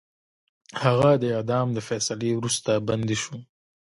هغه د اعدام د فیصلې وروسته بندي شو.